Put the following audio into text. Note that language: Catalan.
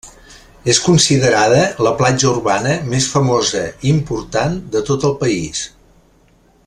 És considerada la platja urbana més famosa i important de tot el país.